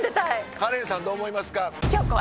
カレンさんどう思いますか？